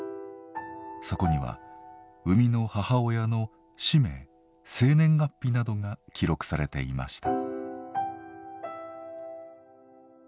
そこには生みの母親の氏名生年月日などが記録されていました。